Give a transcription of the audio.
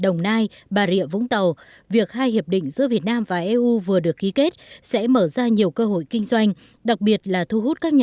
đồng thời hiệp định thương mại tự do việt nam eu được ký kết sẽ góp phần giúp doanh nghiệp mở rộng thị trường